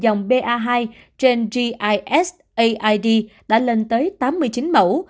dòng ba hai trên gisaid đã lên tới tám mươi chín mẫu